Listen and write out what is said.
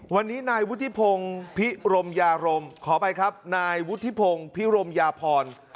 วันนี้นายวุฒิพงศ์พิรมยารมขออภัยครับนายวุฒิพงศ์พิรมยาพร